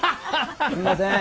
すんません。